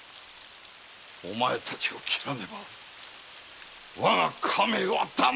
お前たちを斬らねばわが家名は断絶ぞ！